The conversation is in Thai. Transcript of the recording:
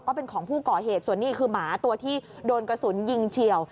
เป็นของผู้ก่อเหตุส่วนนี้คือหมาตัวที่โดนกระสุนยิงเฉียว